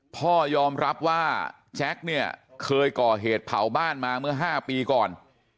พ่อยอมรับว่าแจ็คเนี่ยเคยก่อเหตุเผาบ้านมาเมื่อ๕ปีก่อน